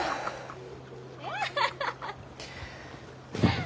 ・アハハハ！